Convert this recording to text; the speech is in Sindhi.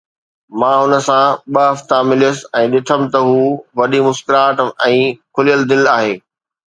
مان هن سان ٻه دفعا مليس ۽ ڏٺم ته هو وڏي مسڪراهٽ ۽ کليل دل آهي.